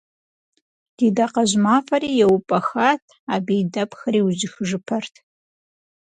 Ди дакъэжь мафӏэри еупӏэхат, абы и дэпхэр ужьыхыжыпэрт.